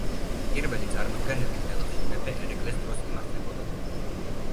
პირველი წარმოდგენები თელავში მეფე ერეკლეს დროს იმართებოდა.